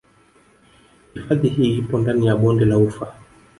Hifadhi hii ipo ndani ya Bonde la Ufa